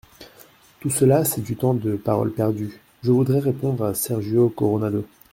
Tout cela, c’est du temps de parole perdu ! Je voudrais répondre à Sergio Coronado.